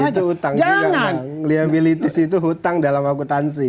liabilitis itu hutang dalam akutansi